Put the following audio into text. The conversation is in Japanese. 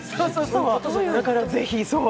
だからぜひ。